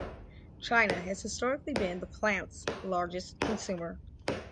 China has historically been the plant's largest consumer.